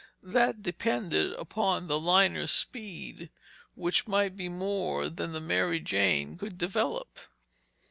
That depended upon the liner's speed, which might be more than the Mary Jane could develop.